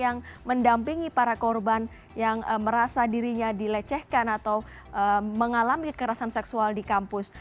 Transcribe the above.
yang mendampingi para korban yang merasa dirinya dilecehkan atau mengalami kekerasan seksual di kampus